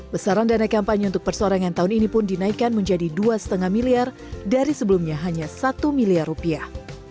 besaran dana kampanye untuk persorangan tahun ini pun dinaikkan menjadi dua lima miliar dari sebelumnya hanya satu miliar rupiah